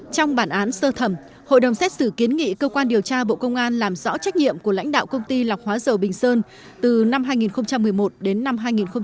trong bản án sơ thẩm hội đồng xét xử kiến nghị cơ quan điều tra bộ công an làm rõ trách nhiệm của lãnh đạo công ty lọc hóa dầu bình sơn từ năm hai nghìn một mươi một đến năm hai nghìn một mươi bảy